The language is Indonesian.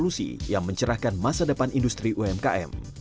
dan juga menjadi solusi yang mencerahkan masa depan industri umkm